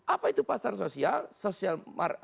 apa itu pasar sosial